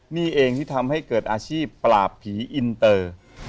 นี่เองที่ทำให้เกิดอาชีพปราบผีอินเตอร์